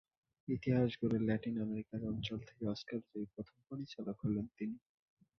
ইতিহাস গড়ে Latin America অঞ্চল থেকে অস্কারজয়ী প্রথম পরিচালক হলেন তিনি।